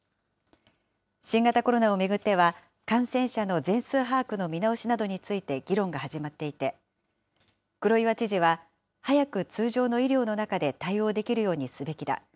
新型コロナを巡っては、感染者の全数把握の見直しなどについて議論が始まっていて、黒岩知事は、早く通常の医療の中で対応できるようにすべきだ。